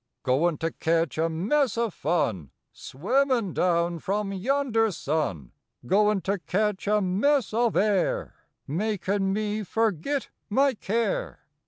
Goin to ketch a mess o fun Swimmin down from yonder Sun; Goin to ketch a mess of air Makin* me fergit my care.